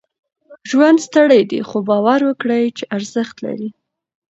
ژوند ستړی دی، خو؛ باور وکړئ چې ارزښت لري.